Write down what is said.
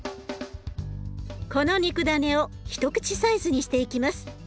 この肉だねを一口サイズにしていきます。